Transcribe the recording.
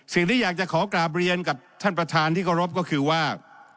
สิ่งที่อยากจะขอกราบเรียนกับท่านประธานที่เคารพก็คือว่า